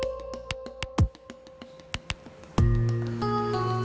oh ini ada